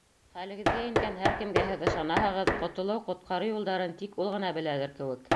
Хәлегеҙгә ингән һәр кемгә һеҙ ышанаһығыҙ, ҡотолоу, ҡотҡарыу юлдарын тик ул ғына беләлер кеүек.